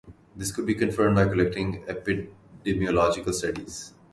This could be confirmed by collecting epidemiological studies.